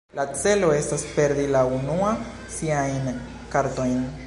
La celo estas perdi la unua siajn kartojn.